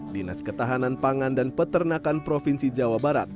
dinas ketahanan pangan dan peternakan provinsi jawa barat